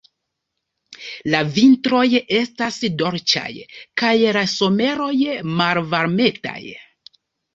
La vintroj estas dolĉaj kaj la someroj malvarmetaj.